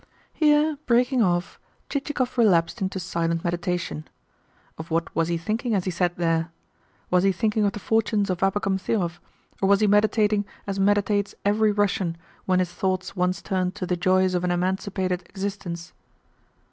Here, breaking off, Chichikov relapsed into silent meditation. Of what was he thinking as he sat there? Was he thinking of the fortunes of Abakum Thirov, or was he meditating as meditates every Russian when his thoughts once turn to the joys of an emancipated existence?